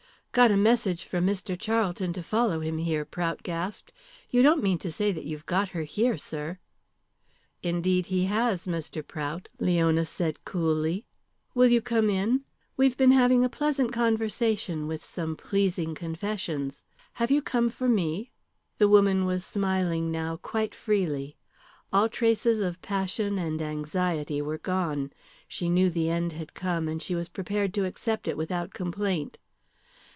"Got a message from Mr. Charlton to follow him here," Prout gasped. "You don't mean to say that you've got her here, sir?" "Indeed, he has, Mr. Prout," Leona said coolly. "Will you come in? We have been having a pleasant conversation with some pleasing confessions. Have you come for me?" The woman was smiling now quite freely. All traces of passion and anxiety were gone. She knew the end had come, and she was prepared to accept it without complaint.